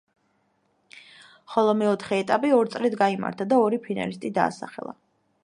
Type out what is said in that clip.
ხოლო მეოთხე ეტაპი ორ წრედ გაიმართა და ორი ფინალისტი დაასახელა.